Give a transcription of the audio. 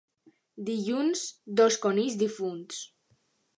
Dilluns, dos conills difunts.